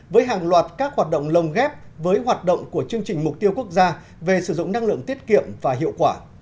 với hàng loạt các hoạt động lồng ghép với hoạt động của chương trình mục tiêu quốc gia về sử dụng năng lượng tiết kiệm và hiệu quả